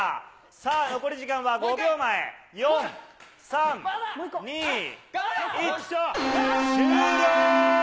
さあ、残り時間は５秒前、４、３、２、１、終了。